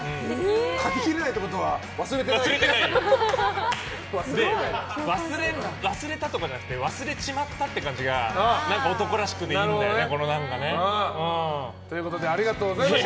書ききれないってことは忘れたとかじゃなくて忘れちまったって感じが何か男らしくていいんだよね。ということでありがとうございました。